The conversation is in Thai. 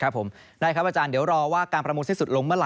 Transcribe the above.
ได้ครับอาจารย์เดี๋ยวรอว่าการประมูลสิ้นสุดลงเมื่อไ